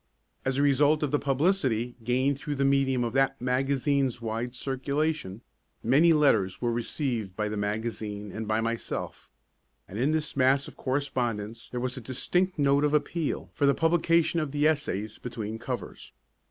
As a result of the publicity gained through the medium of that magazine's wide circulation, many letters were received by the magazine and by myself; and in this mass of correspondence there was a distinct note of appeal for the publication of the essays between covers.